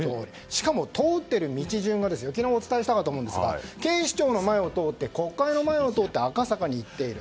しかも通っている道順が昨日お伝えしたと思うんですが警視庁の前を通って国会の前を通って赤坂に行っている。